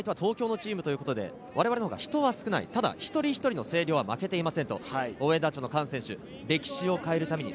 東京のチームということで、我々の方が人が少ない、一人一人の声は負けていない。